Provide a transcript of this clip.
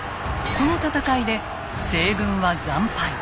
この戦いで西軍は惨敗。